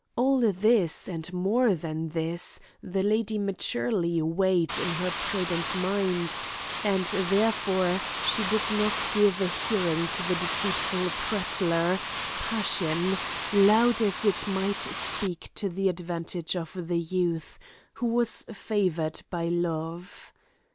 All this, and more than this, the lady maturely weighed in her prudent mind, and therefore she did not give a hearing to the deceitful prattler, passion, loud as it might speak to the advantage of the youth, who was favoured by love.